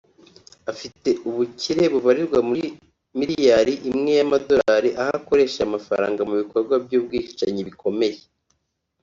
afite ubukire bubarirwa muri miliyari imwe y’amadorali aho akoresha aya mafaranga mu bikorwa by’ubwicanyi bikomeye